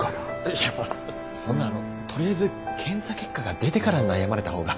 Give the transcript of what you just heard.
いやそんなとりあえず検査結果が出てから悩まれた方が。